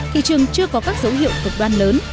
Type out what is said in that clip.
thị trường chưa có các dấu hiệu cực đoan lớn